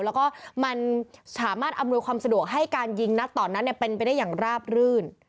แล้วก็มันสามารถอำนวยความสะดวกให้การยิงนัดตอนนั้นเป็นไปได้อย่างราบรื่น